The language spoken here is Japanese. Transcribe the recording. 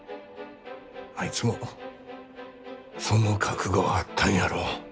あいつもその覚悟はあったんやろ。